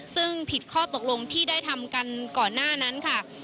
ซึ่งผิดข้อตกลงที่ได้ทำกันก่อนหน้านั้นค่ะ